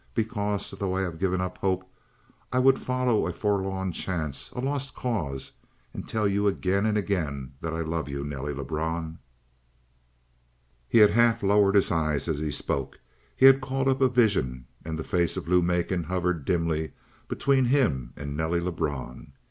Because, though I have given up hope, I would follow a forlorn chance, a lost cause, and tell you again and again that I love you, Nelly Lebrun!" He had half lowered his eyes as he spoke; he had called up a vision, and the face of Lou Macon hovered dimly between him and Nelly Lebrun.